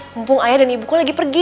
mumpung ayah dan ibuku lagi pergi